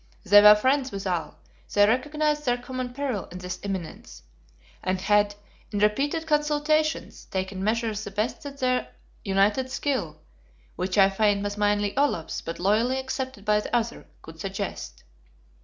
They were friends withal, they recognized their common peril in this imminence; and had, in repeated consultations, taken measures the best that their united skill (which I find was mainly Olaf's but loyally accepted by the other) could suggest.